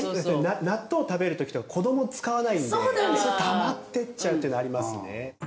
納豆食べる時とか子供使わないんでたまってっちゃうっていうのはありますね。